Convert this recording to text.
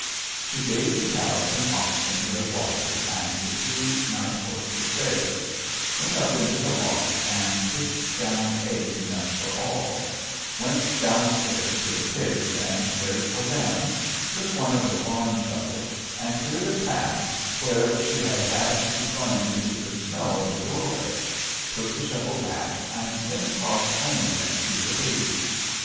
She gave the cows and oxen their water and the two night horses theirs, went up into the loft and pitched down hay enough for all, went down stairs to the pigs and cared for them, took one of the barn shovels and cleared a path where she had had to plunge into the snow at the doorway, took the shovel back, and then crossed home again to her baby.